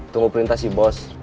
tunggu perintah si bos